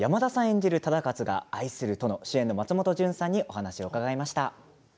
演じる忠勝が愛する殿主演の松本潤さんにお話を伺いました。